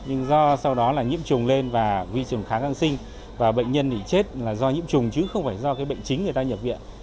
nhưng do sau đó là nhiễm trùng lên và vi trùng kháng kháng sinh và bệnh nhân thì chết là do nhiễm trùng chứ không phải do bệnh chính người ta nhập viện